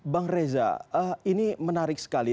bang reza ini menarik sekali